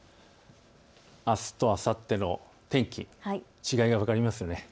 あすとあさっての天気、違いが分かりますよね。